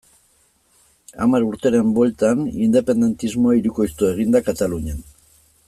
Hamar urteren bueltan, independentismoa hirukoiztu egin da Katalunian.